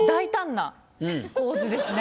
構図ですね。